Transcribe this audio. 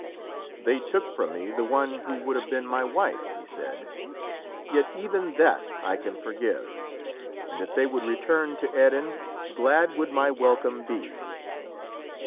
"They took from me the one who would have been my wife," he said, "yet even that I can forgive, and if they would return to Erin, glad would my welcome be."